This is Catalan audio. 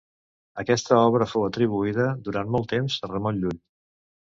Aquesta obra fou atribuïda, durant molt temps, a Ramon Llull.